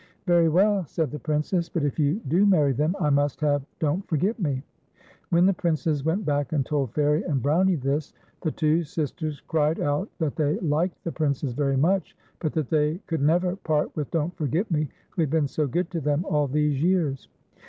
"Very well," said the Princess; "but if you do marry them, I must have Don't Forget Me." When the Princes went back and told Fairie and Brownie this, the two sisters cried out that they liked the Princes very much, but that they could never part with Don't Forget Me, who had been so good to them all these years.